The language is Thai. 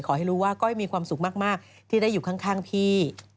ขอให้รู้ว่าก้อยมีความสุขมากที่ได้อยู่ข้างพี่